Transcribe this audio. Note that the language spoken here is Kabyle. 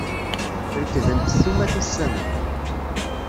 Rekdent ssumat ussan-a.